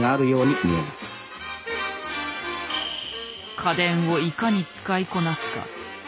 家電をいかに使いこなすか。